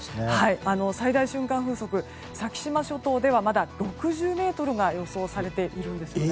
最大瞬間風速、先島諸島ではまだ６０メートルが予想されているんですね。